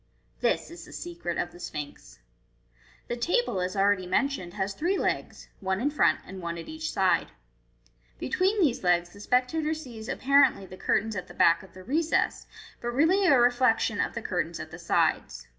This is the secret of the Sphinx. The table, as already mentioned, has three legs, one in front, and one at each side. Be tween these legs the spectator sees apparently the curtains at the back of the recess, but really a reflection cf the curtains at the sides.